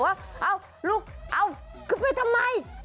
ว่าลูกขึ้นไปทำไม